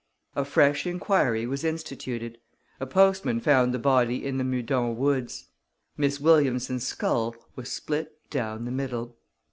A fresh enquiry was instituted. A postman found the body in the Meudon woods. Miss Williamson's skull was split down the middle.